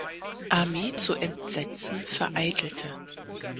Armee zu entsetzen, vereitelte.